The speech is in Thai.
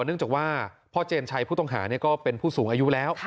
เนื่องจากว่าพ่อเจนชัยผู้ต้องหาก็เป็นผู้สูงอายุแล้ว